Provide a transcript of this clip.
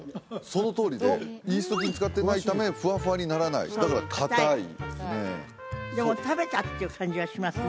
そのとおりでイースト菌使ってないためフワフワにならないだから硬いですねでも食べたっていう感じはしますね